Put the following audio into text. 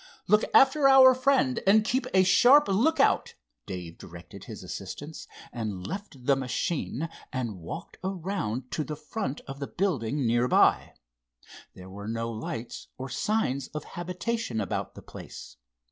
"Look after our friend and keep a sharp lookout," Dave directed his assistants, and left the machine and walked around to the front of the building nearby. There were no lights or signs of habitation about the place.